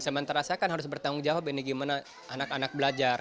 sementara saya kan harus bertanggung jawab ini gimana anak anak belajar